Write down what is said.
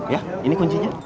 yah ini kuncinya